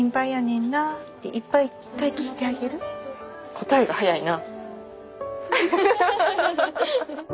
こたえが早いな。